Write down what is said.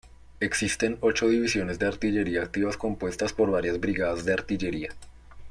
Existen ocho divisiones de artillería activas compuestas por varias brigadas de artillería.